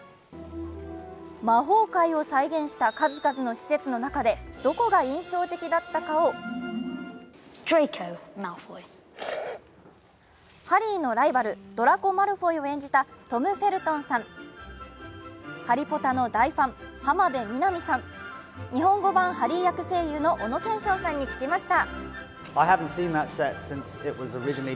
魔法界を再現した数々の施設の中でどこが印象的だったかをハリーのライバル、ドラコ・マルフォイを演じたトム・フェルトンさん、「ハリポタ」の大ファン、浜辺美波さん、日本語版ハリー役声優の小野賢章さんに聞きました。